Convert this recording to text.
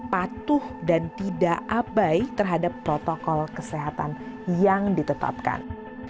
patuh dan tidak abai terhadap protokol kesehatan yang ditetapkan